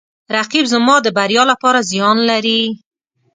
رقیب زما د بریا لپاره زیان لري